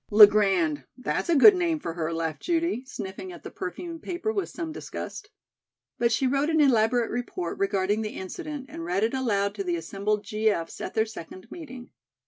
"Le Grand, that's a good name for her," laughed Judy, sniffing at the perfumed paper with some disgust. But she wrote an elaborate report regarding the incident and read it aloud to the assembled G. F.'s at their second meeting.